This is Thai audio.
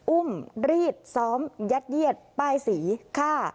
อุ้มรีดซ้อมยัดเยียดป้ายสีฆ่า